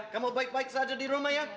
kamu baik baik saja di rumah ya